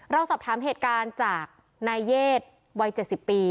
เราสอบถามเหตุการณ์จากนายเยศวัย๗๐ปี